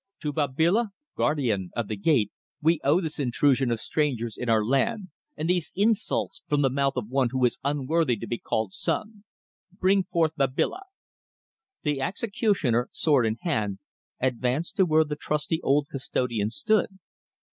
"To Babila, guardian of the Gate, we owe this intrusion of strangers in our land and these insults from the mouth of one who is unworthy to be called son. Bring forth Babila." The executioner, sword in hand, advanced to where the trusty old custodian stood.